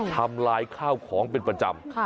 ทำลายข้าวของเป็นประจำ